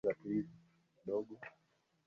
tutaweza kusoma ujumbe wako mfupi ambao umeutuma